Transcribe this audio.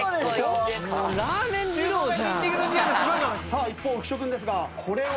さあ一方浮所君ですがこれは？